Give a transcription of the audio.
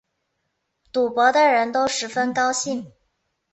赌博的人都十分高兴